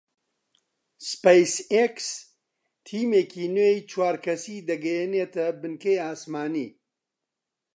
سپەیس ئێکس تیمێکی نوێی چوار کەسی دەگەیەنێتە بنکەی ئاسمانی